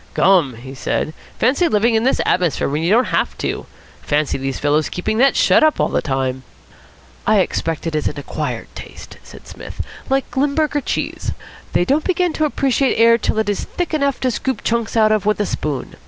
"Gum!" he said. "Fancy living in this atmosphere when you don't have to. Fancy these fellows keeping that shut all the time." "I expect it is an acquired taste," said Psmith, "like Limburger cheese. They don't begin to appreciate air till it is thick enough to scoop chunks out of with a spoon.